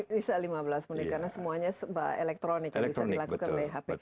bisa lima belas menit karena semuanya elektronik yang bisa dilakukan oleh hp